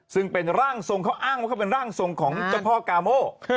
ซึ่งเป็นร่างทรงเขาอ้างว่าเขาเป็นร่างทรงของเจ้าพ่อกาโม